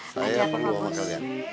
saya perlombongan kalian